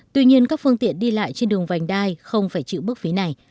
tuy nhiên các phương tiện đi lại trên đường vành đai không phải chịu bức phí này